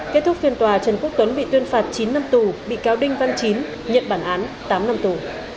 kết thúc phiên tòa trần quốc tuấn bị tuyên phạt chín năm tù bị cáo đinh văn chín nhận bản án tám năm tù